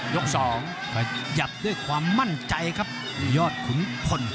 ยก๒ยัดด้วยความมั่นใจครับยอดขุนพล